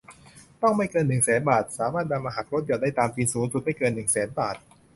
ต้องไม่เกิน หนึ่งแสน บาท สามารถนำมาหักลดหย่อนได้ตามจริง สูงสุดไม่เกิน หนึ่งแสน บาท